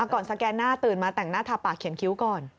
สแกนหน้าตื่นมาแต่งหน้าทาปากเขียนคิ้วก่อน